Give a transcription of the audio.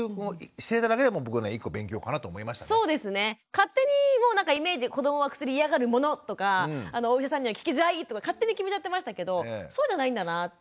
勝手にもうなんかイメージ子どもは薬嫌がるものとかお医者さんには聞きづらいとか勝手に決めちゃってましたけどそうじゃないんだなって。